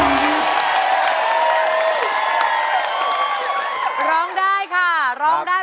แล้วน้องใบบัวร้องได้หรือว่าร้องผิดครับ